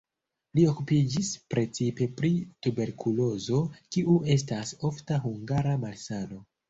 Li okupiĝis precipe pri tuberkulozo, kiu estas ofta hungara malsano.